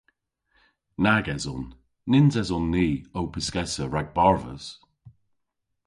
Nag eson. Nyns eson ni ow pyskessa rag barvus.